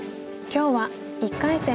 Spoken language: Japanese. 今日は１回戦